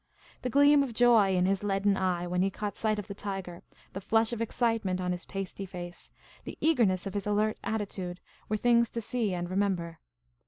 The gleam of joy in his leaden eye when he caught sight of the tiger, the flush of excitement on his pasty face, the eagerness of his alert attitude, were things to see and remember.